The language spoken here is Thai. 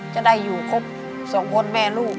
จะได้อยู่ครบ๒คนแม่ลูก